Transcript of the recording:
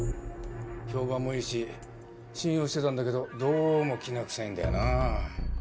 評判もいいし信用してたんだけどどうもきな臭いんだよな。